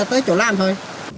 tới chỗ làm thôi